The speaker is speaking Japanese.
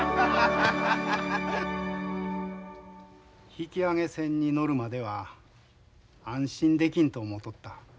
引き揚げ船に乗るまでは安心できんと思うとった。